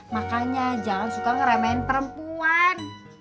makanya jangan suka ngeremehin perempuan